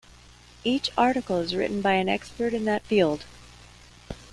Each article is written by an expert in that field.